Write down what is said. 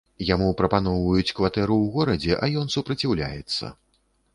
Яму прапаноўваюць кватэру ў горадзе, а ён супраціўляецца.